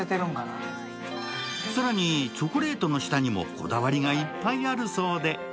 更にチョコレートの下にもこだわりがいっぱいあるそうで。